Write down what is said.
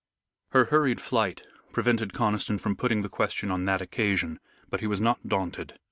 Her hurried flight prevented Conniston from putting the question on that occasion. But he was not daunted.